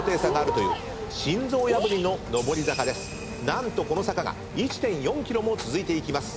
何とこの坂が１．４ｋｍも続いていきます。